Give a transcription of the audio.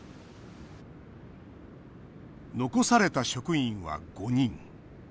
残された職員は５人。